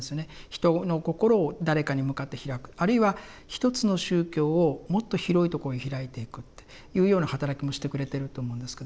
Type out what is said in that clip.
人の心を誰かに向かって開くあるいはひとつの宗教をもっと広いところに開いていくっていうような働きもしてくれてると思うんですけども。